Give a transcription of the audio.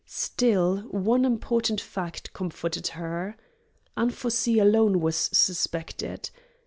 Still, one important fact comforted her. Anfossi alone was suspected.